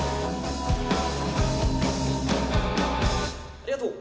ありがとう。